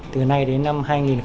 từ nay đến năm hai nghìn hai mươi năm